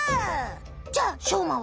じゃあしょうまは？